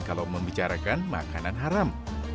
kalau membicarakan makanan haram